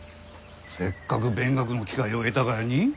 せっかく勉学の機会を得たがやに？